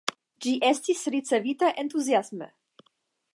Ĝi estis ricevita entuziasme.